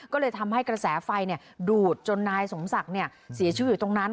ก็เลยทำให้กระแสไฟดูดจนนายสมศักดิ์เสียชีวิตอยู่ตรงนั้น